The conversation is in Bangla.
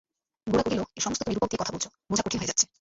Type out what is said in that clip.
গোরা কহিল, এ-সমস্ত তুমি রূপক দিয়ে কথা বলছ, বোঝা কঠিন হয়ে উঠছে।